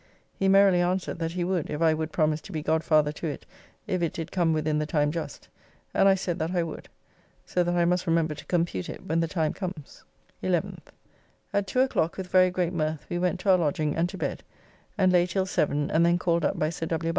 He merrily answered that he would if I would promise to be godfather to it if it did come within the time just, and I said that I would. So that I must remember to compute it when the time comes. 11th. At 2 o'clock, with very great mirth, we went to our lodging and to bed, and lay till 7, and then called up by Sir W.